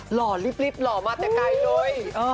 หล่อลิบหล่อมาแต่ไกลเลย